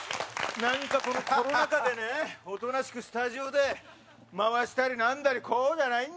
なんかこのコロナ禍でねおとなしくスタジオで回したりなんだりこうじゃないんだよ。